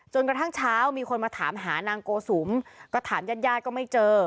กระทั่งเช้ามีคนมาถามหานางโกสุมก็ถามญาติญาติก็ไม่เจอ